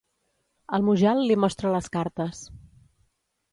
El Mujal li mostra les cartes.